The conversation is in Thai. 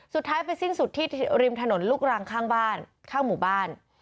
สุดท้ายไปสิ้นสุดที่ริมถนนลูกรังข้างบ้านข้างหมู่บ้าน